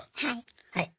はい。